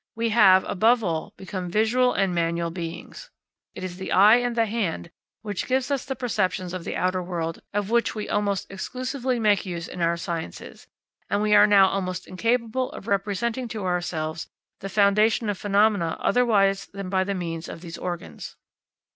We have, above all, become visual and manual beings. It is the eye and the hand which give us the perceptions of the outer world of which we almost exclusively make use in our sciences; and we are now almost incapable of representing to ourselves the foundation of phenomena otherwise than by means of these organs.